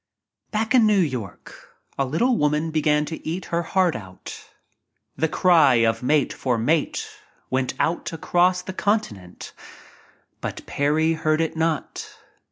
Back in New York a little woman began to eat her heart out. The cry of mate for mate went out across the continent, but Parry heard it not.